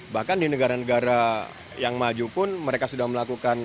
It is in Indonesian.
bahkan di negara negara yang maju pun mereka sudah melakukan